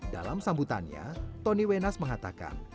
dalam sambutannya tony wenas mengatakan